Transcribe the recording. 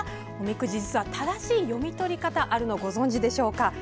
おみくじ、実は正しい読み取り方があるのをご存じでしょうか？